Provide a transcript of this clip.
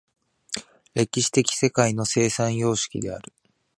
歴史的世界の生産様式である。